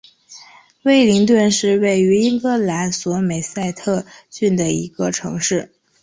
威灵顿是位于英格兰索美塞特郡的一个城市。